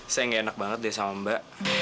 saya nggak enak banget deh sama mbak